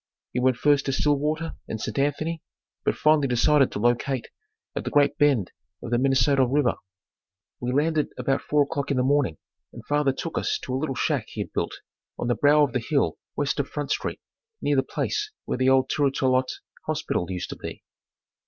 He went first to Stillwater and St. Anthony, but finally decided to locate at the Great Bend of the Minnesota River. We landed about four o'clock in the morning, and father took us to a little shack he had built on the brow of the hill west of Front Street near the place where the old Tourtelotte Hospital used to be.